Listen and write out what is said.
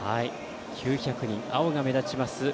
９００人、青が目立ちます